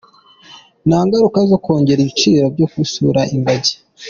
Nta ngaruka zo kongera ibiciro byo gusura ingagi.